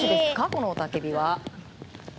この雄たけびは。